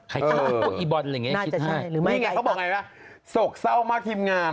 ใครคิดอีบอลหรือไงคิดให้นี่ไงเขาบอกอย่างไรเปล่าสกเศร้ามากทีมงาน